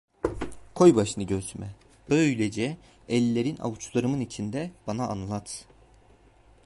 Koy başını göğsüme, böylece, ellerin avuçlarımın içinde bana anlat.